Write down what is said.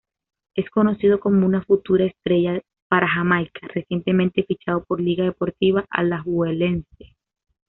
Es conocido como una futura estrella para jamaica, recientemente fichado por Liga Deportiva Alajuelense.